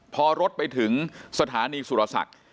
พอรถไปถึงสถานีสุรศักดิ์